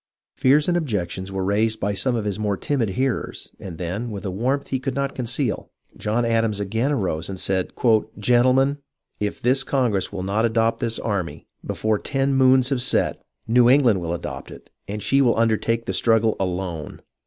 Fears and objections were raised by some of his more timid hearers, and then, with a warmth he could not conceal, John Adams again arose and said :" Gentlemen, if this congress will not adopt this army, before ten moons have set, New England will adopt it, and she will undertake the struggle alone